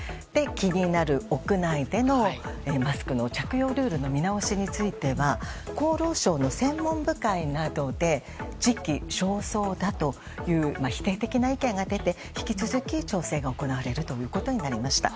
気になる屋内でのマスクの着用ルールの見直しについては厚労省の専門部会などで時期尚早だという否定的な意見が出て引き続き調整が行われるということになりました。